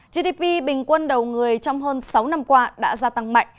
gdp bình quân đầu người trong hơn sáu năm qua đã gia tăng mạnh